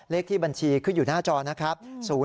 เลขที่บัญชีขึ้นอยู่หน้าจอนะครับ